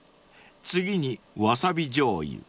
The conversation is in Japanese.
次にわさびじょうゆ。